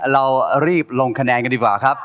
เรารีบลงแขนนกันดีกว่า